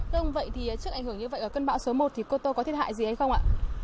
thưa ông vậy thì trước ảnh hưởng như vậy ở cơn bão số một thì cô tô có thiết hại gì hay không ạ